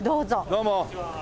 どうも。